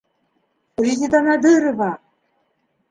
Резеда Надирова!